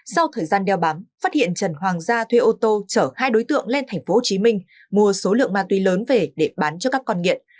sau thời gian đeo bám phát hiện trần hoàng gia thuê ô tô chở hai đối tượng lên tp hcm mua số lượng ma túy lớn về để bán cho các con nghiện